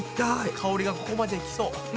香りがここまで来そう。